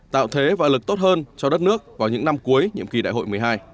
tạo thế và lực tốt hơn cho đất nước vào những năm cuối nhiệm kỳ đại hội một mươi hai